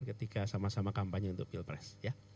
ketika sama sama kampanye untuk pilpres ya